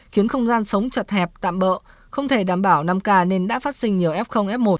khiến không gian sống chật hẹp tạm bỡ không thể đảm bảo năm k nên đã phát sinh nhờ f f một